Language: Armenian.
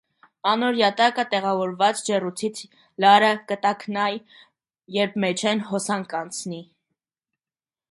Անոր յատակը տեղաւորուած ջեռուցիչ լարը կը տաքնայ երբ մէջէն հոսանք անցնի։